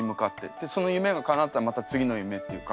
でその夢がかなったらまた次の夢っていうか。